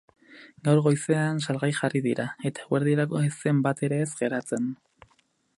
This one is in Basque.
Gaur goizean salgai jarri dira eta eguerdirako ez zen bat ere ez geratzen.